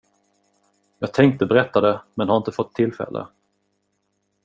Jag tänkte berätta det, men har inte fått tillfälle.